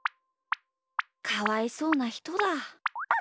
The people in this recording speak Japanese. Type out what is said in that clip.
かわいそうなひとだ。